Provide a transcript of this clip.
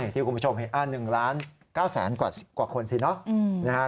ที่คุณผู้ชมเห็น๑ล้าน๙แสนกว่าคนสิเนอะ